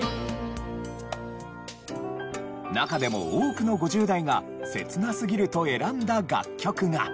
中でも多くの５０代が「切なすぎる」と選んだ楽曲が。